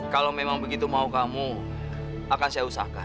kalau memang begitu mau kamu akan saya usahakan